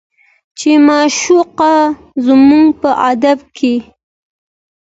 چې معشوقه زموږ په ادب کې